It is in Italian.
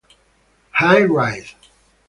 High Rise